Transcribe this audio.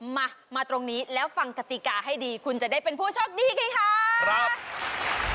มามาตรงนี้แล้วฟังกติกาให้ดีคุณจะได้เป็นผู้โชคดีไงคะครับ